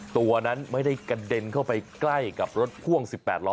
ตัวนั้นไม่ได้กระเด็นเข้าไปใกล้กับรถพ่วง๑๘ล้อ